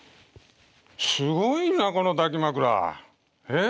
すごいなこの抱き枕。え。